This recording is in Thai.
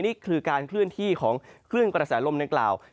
นี่คือการเคลื่อนที่ของคลื่นกระแสลมดังกล่าว